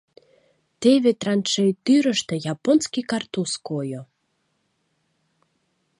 Теве траншей тӱрыштӧ японский картуз койо.